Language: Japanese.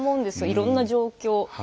いろんな状況。